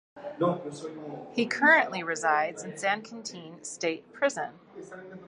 He currently resides in San Quentin State Prison.